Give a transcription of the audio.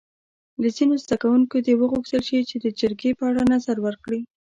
له ځینو زده کوونکو دې وغوښتل شي چې د جرګې په اړه نظر ورکړي.